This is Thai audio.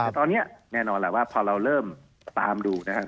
แต่ตอนนี้แน่นอนแหละว่าพอเราเริ่มตามดูนะครับ